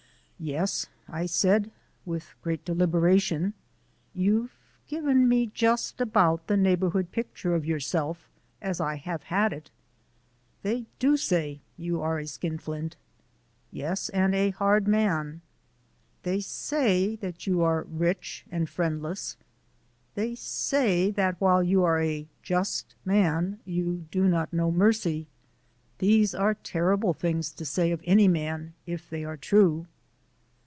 "Yes," I said, with great deliberation, "you've given me just about the neighborhood picture of yourself as I have had it. They do say you are a skinflint, yes, and a hard man. They say that you are rich and friendless; they say that while you are a just man, you do not know mercy. These are terrible things to say of any man if they are true."